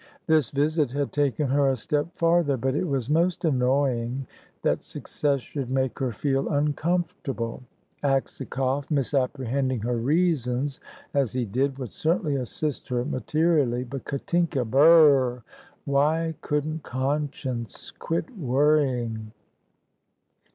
This visit had taken her a step farther, but it was most annoying that success should make her feel uncomfortable. Aksakoff, misapprehending her reasons as he did, would certainly assist her materially. But Katinka, bur r r r! Why couldn't conscience quit worrying?